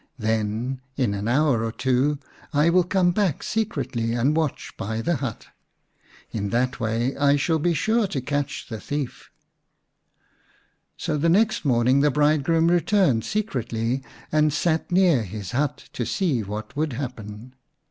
Then in an hour or two I will come back secretly and watch by the hut. In that way I shall be sure to catch the thief." 60 vi The Unnatural Mother So the next morning the bridegroom returned secretly and sat near his hut to see what would happen.